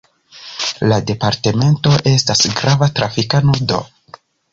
La departamento estas grava trafika nodo.